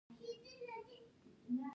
زه یو غوره انسان کېدل غواړم.